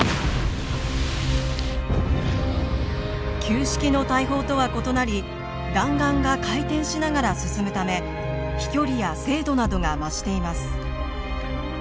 旧式の大砲とは異なり弾丸が回転しながら進むため飛距離や精度などが増しています。